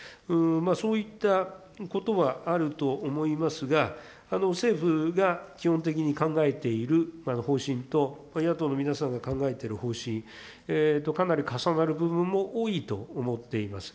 そういったことはあると思いますが、政府が基本的に考えている方針と、野党の皆さんが考えている方針と、かなり重なる部分も多いと思っています。